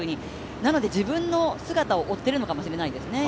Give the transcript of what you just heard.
なので自分の姿を追ってるのかもしれないですね。